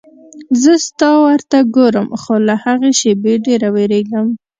زه ستا ور ته ګورم خو له هغې شېبې ډېره وېرېدم.